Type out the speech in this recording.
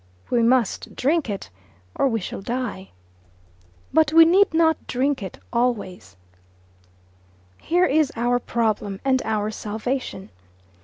We must drink it, or we shall die. But we need not drink it always. Here is our problem and our salvation.